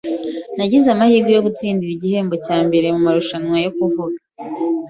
Nagize amahirwe yo gutsindira igihembo cya mbere mumarushanwa yo kuvuga.